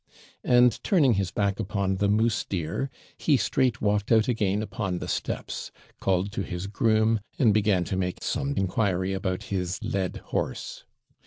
And, turning his back upon the moose deer, he straight walked out again upon the steps, called to his groom, and began to make some inquiry about his led horse.